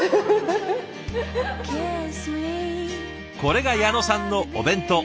これが矢野さんのお弁当。